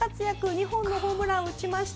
２本のホームランを打ちました。